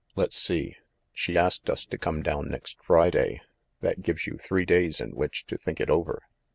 Let's see; she asked us to come down next Friday. That gives you three days in which to think it over."